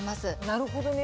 なるほどね。